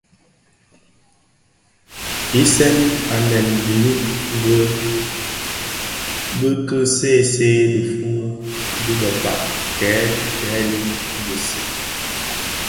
Nghisèn anèn bimid bi ki see see dhifuu di bekpag kè dhëňi bisi a.